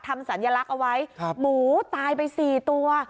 ทำสัญลักษณ์เอาไว้ครับหมูตายไปสี่ตัว